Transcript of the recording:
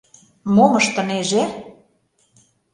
Мом ыштынеже?